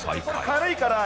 軽いから。